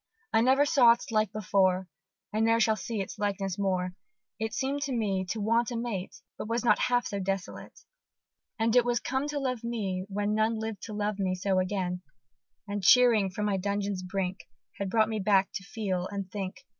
I never saw its like before, I ne'er shall see its likeness more: It seem'd like me to want a mate, But was not half so desolate, And it was come to love me when None lived to love me so again, And cheering from my dungeon's brink, Had brought me back to feel and think.